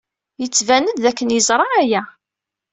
Yettban-d dakken yeẓra aya.